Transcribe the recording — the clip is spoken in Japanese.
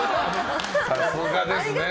さすがですね。